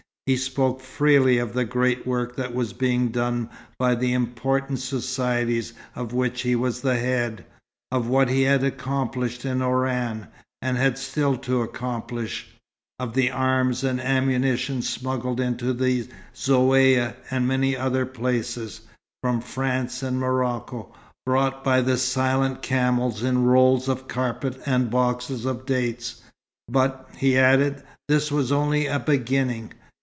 He spoke freely of the great work that was being done by the important societies of which he was the head; of what he had accomplished in Oran, and had still to accomplish; of the arms and ammunition smuggled into the Zaouïa and many other places, from France and Morocco, brought by the "silent camels" in rolls of carpets and boxes of dates. But, he added, this was only a beginning.